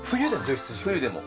冬でも？